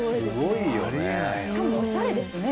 しかもおしゃれですね。